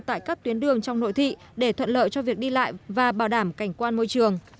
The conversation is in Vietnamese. tại các tuyến đường trong nội thị để thuận lợi cho việc đi lại và bảo đảm cảnh quan môi trường